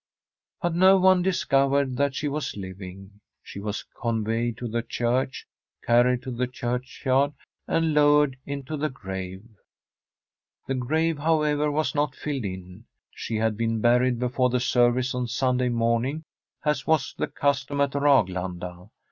But no one discovered that she was living. She was conveyed to the church, carried to the churchyard, and lowered into the grave. The grave, however, was not filled in; she had been buried before the service on Sunday morning, as was the custom at Raglanda.